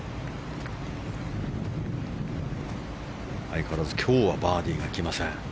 相変わらず今日はバーディーが来ません。